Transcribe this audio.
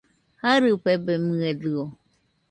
Jarɨfebemɨedɨo